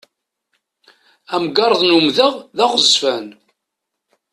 Amgerḍ n umdeɣ d aɣezzfan.